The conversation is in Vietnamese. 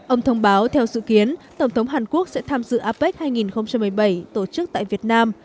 ông thông báo theo dự kiến tổng thống hàn quốc sẽ tham dự apec hai nghìn một mươi bảy tổ chức tại việt nam